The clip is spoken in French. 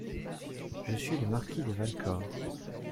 Je suis le marquis de Valcor.